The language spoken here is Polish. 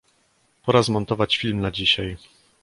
Pora zmontować film na dzisiaj.